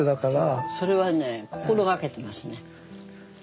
それはね心掛けてますね。